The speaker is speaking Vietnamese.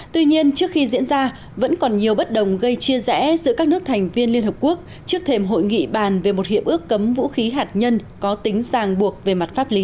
tuy nhiên trước khi diễn ra vẫn còn nhiều bất đồng gây chia rẽ giữa các nước thành viên liên hợp quốc trước thềm hội nghị bàn về một hiệp ước cấm vũ khí hạt nhân có tính sàng buộc về mặt pháp lý